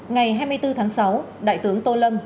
ngày hai mươi bốn tháng sáu đại tướng tô lâm